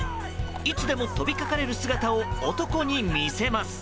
いつでも飛びかかれる姿を男に見せます。